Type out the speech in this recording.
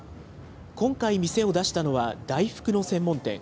今回、店を出したのは大福の専門店。